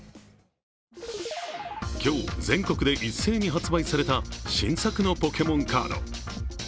今日全国で一斉に発売された新作のポケモンカード。